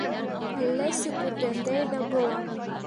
Әлләсе, күргәндәй ҙә булам...